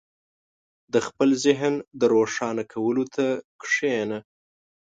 • د خپل ذهن د روښانه کولو ته کښېنه.